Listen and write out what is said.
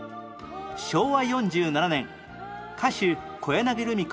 昭和４７年歌手小柳ルミ子